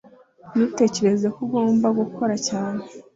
ntutekereze ko ugomba gukora cyane